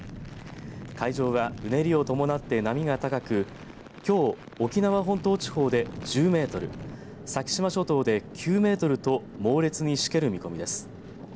海上はうねりを伴って波が高くきょう沖縄本島地方で１０メートル先島諸島で９メートルと猛烈にしける見込みです。